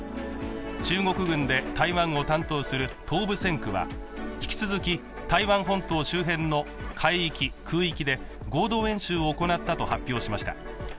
中国軍で台湾を担当する東部戦区は引き続き台湾本島周辺の海域・空域で、合同演習を行ったと発表しました。